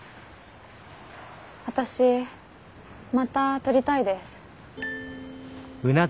私また撮りたいです。